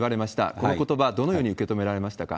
このことば、どのように受け止められましたか？